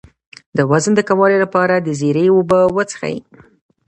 د وزن د کمولو لپاره د زیرې اوبه وڅښئ